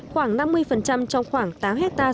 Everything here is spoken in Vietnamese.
khoảng năm mươi trong khoảng tám hectare